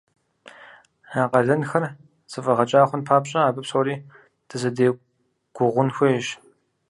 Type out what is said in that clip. А къалэнхэр зэфӀэгъэкӀа хъун папщӀэ абы псори дызэдегугъун хуейщ.